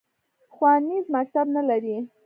ښوونیز مکتب نه لري